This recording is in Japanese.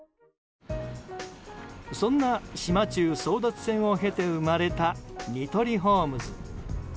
そんな島忠争奪戦を経て生まれたニトリホームズ。